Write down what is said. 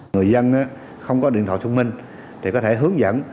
người dân không có điện thoại thông minh thì có thể hướng dẫn